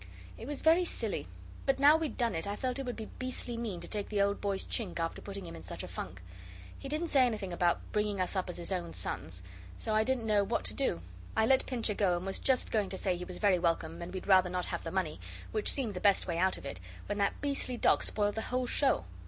It was very silly; but now we'd done it I felt it would be beastly mean to take the old boy's chink after putting him in such a funk. He didn't say anything about bringing us up as his own sons so I didn't know what to do. I let Pincher go, and was just going to say he was very welcome, and we'd rather not have the money, which seemed the best way out of it, when that beastly dog spoiled the whole show.